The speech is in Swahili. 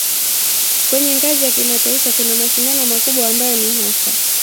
Kwenye ngazi ya kimataifa kuna mashindano makubwa ambayo ni hasa